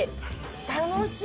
楽しい。